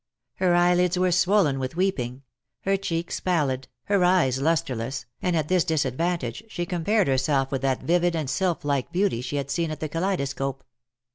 Her eyelids were swollen with weeping — her cheeks pallid, her eyes lustreless, and at this disadvantage she compared herself with that vivid and sy]ph like beauty she had seen at the Kaleidoscope.